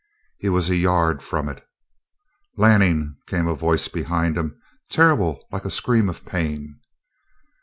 He was a yard from it. "Lanning!" came a voice behind him, terrible, like a scream of pain.